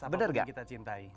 apapun yang kita cintai